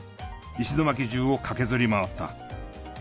石巻中を駆けずり回った。